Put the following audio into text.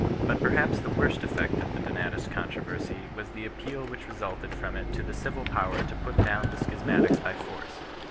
But perhaps the worst effect of the Donatist con troversy was the appeal which resulted from it to the civil power to put down the schismatics by force.